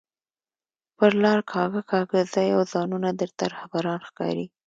پر لار کاږه کاږه ځئ او ځانونه درته رهبران ښکاري